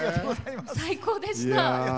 最高でした！